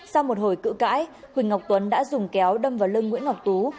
sau một hồi cự cãi huỳnh ngọc tuấn đã dùng kéo đâm vào lưng nguyễn ngọc tú